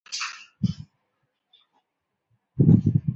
隔天早起一边读书